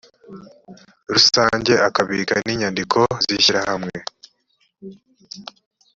rusange akabika n’inyandiko z’ishyirahamwe